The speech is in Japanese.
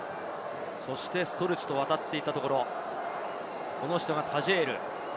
そしてストルチと渡っていたところ、この人がタジェール。